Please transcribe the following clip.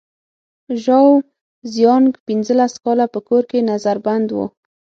ژاو زیانګ پنځلس کاله په کور کې نظر بند و.